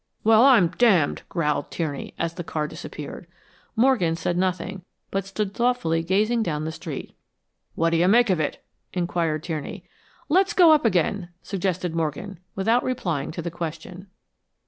"Well, I'm damned!" growled Tierney, as the car disappeared. Morgan said nothing, but stood thoughtfully gazing down the street. "What do you make of it?" inquired Tierney. "Let's go up again," suggested Morgan, without replying to the question.